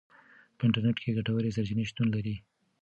په انټرنیټ کې ګټورې سرچینې شتون لري.